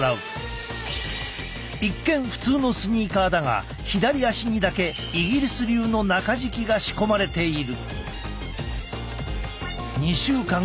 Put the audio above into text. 一見普通のスニーカーだが左足にだけイギリス流の中敷きが仕込まれている。